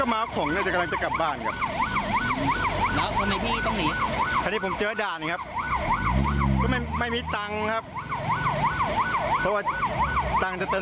ไม่เคยยึดตาดกิโลเมตรไปทั่วเลย